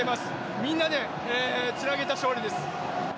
みんなでつなげた勝利です。